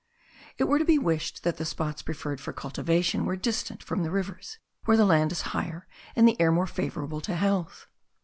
It were to be wished that the spots preferred for cultivation were distant from the rivers where the land is higher and the air more favourable to health.